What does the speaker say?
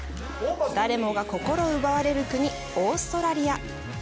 誰もが心奪われる国、オーストラリア。